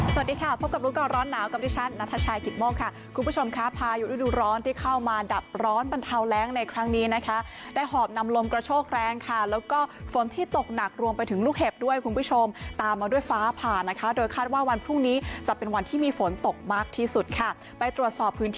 สวัสดีค่ะพบกับรู้ก่อนร้อนหนาวกับดิฉันนัทชายกิตโมกค่ะคุณผู้ชมค่ะพายุฤดูร้อนที่เข้ามาดับร้อนบรรเทาแรงในครั้งนี้นะคะได้หอบนำลมกระโชกแรงค่ะแล้วก็ฝนที่ตกหนักรวมไปถึงลูกเห็บด้วยคุณผู้ชมตามมาด้วยฟ้าผ่านะคะโดยคาดว่าวันพรุ่งนี้จะเป็นวันที่มีฝนตกมากที่สุดค่ะไปตรวจสอบพื้นที่